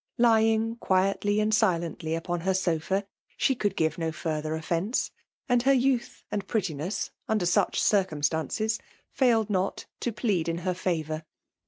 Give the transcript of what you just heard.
Lying quietly and silently on her sofa, she could give no further offence ; and her youth and prettiness, under such circumstances, failed not to plead in her favour.